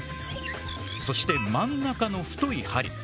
そして真ん中の太い針。